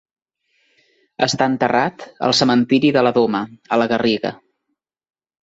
Està enterrat al cementiri de la Doma, a la Garriga.